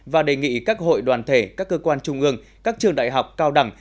và đề nghị các hội đoàn thể các cơ quan trung ương các trường đại học cao đẳng